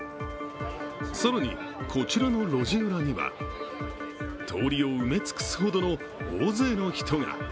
更にこちらの路地裏には通りを埋め尽くすほどの大勢の人が。